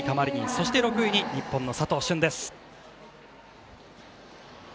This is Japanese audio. そして６位に日本の佐藤駿です。